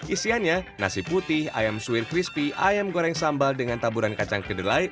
isiannya nasi putih ayam suir crispy ayam goreng sambal dengan taburan kacang kedelai